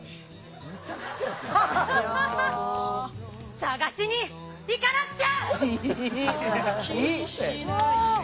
探しに行かなくちゃ！